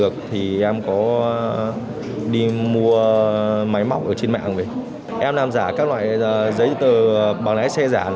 không thông qua ai